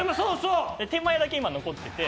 天満屋だけ今残ってて。